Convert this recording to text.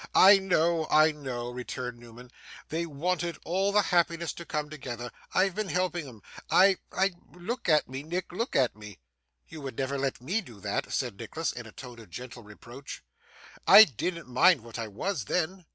'I know, I know!' returned Newman. 'They wanted all the happiness to come together. I've been helping 'em. I I look at me, Nick, look at me!' 'You would never let ME do that,' said Nicholas in a tone of gentle reproach. 'I didn't mind what I was, then.